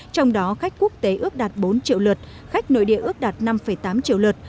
trong đó khách quốc tế ước đạt bốn triệu lượt khách nội địa ước đạt năm tám triệu lượt